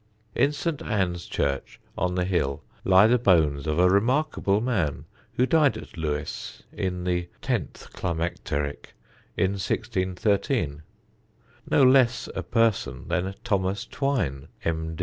In St. Ann's church on the hill lie the bones of a remarkable man who died at Lewes (in the tenth climacteric) in 1613 no less a person than Thomas Twyne, M.